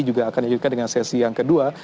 juga akan dilanjutkan dengan sesi yang kedua